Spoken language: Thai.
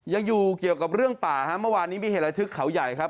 ยังอยู่เกี่ยวกับเรื่องป่าฮะเมื่อวานนี้มีเหตุระทึกเขาใหญ่ครับ